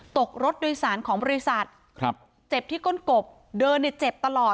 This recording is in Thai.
ตกรถโดยสารของบริษัทครับเจ็บที่ก้นกบเดินในเจ็บตลอด